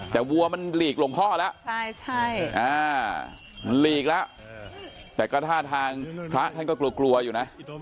แต่วัวมันหลีกลงคล่อแล้ว๖๒๐แต่ก็ท่านทางพระกลัวอยู่นะ